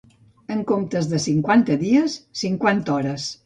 En comptes de cinquanta dies, cinquanta hores.